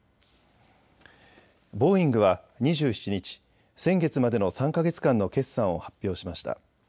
ボーイングは２７日、先月までの３か月間の決算を発表しました。